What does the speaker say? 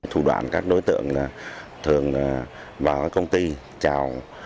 thủ đoạn các đối tượng thường vào công ty chào